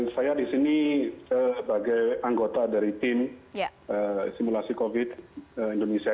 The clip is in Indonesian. saya di sini sebagai anggota dari tim simulasi covid indonesia